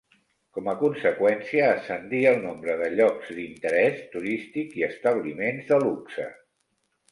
Com a conseqüència ascendí el nombre de llocs d'interès turístic i establiments de luxe.